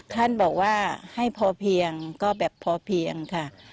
ท่านบอกว่าให้พอเพียงก็แบบพอเพียงค่ะ